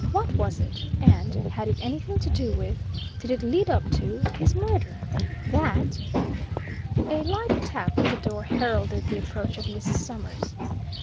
What was it? And had it anything to do with, did it lead up to, his murder? That " A light tap at the door heralded the approach of Mrs. Summers.